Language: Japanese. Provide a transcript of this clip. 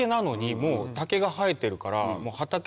竹が生えてるから。